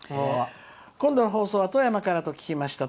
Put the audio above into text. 今度の放送は富山からと聞きました。